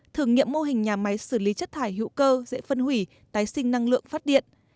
thử nghiệm mô hình nhà máy xử lý chất thải hữu cơ dễ phân hủy tái sinh năng lượng phát điện